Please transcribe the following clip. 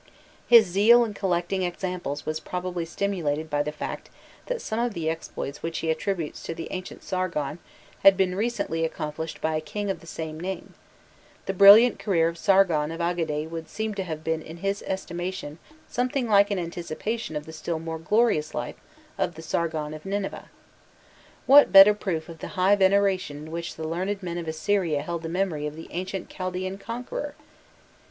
His zeal in collecting examples was probably stimulated by the fact that some of the exploits which he attributes to the ancient Sargon had been recently accomplished by a king of the same name: the brilliant career of Sargon of Agade would seem to have been in his estimation something like an anticipation of the still more glorious life of the Sargon of Nineveh.* What better proof of the high veneration in which the learned men of Assyria held the memory of the ancient Chaldaean conqueror?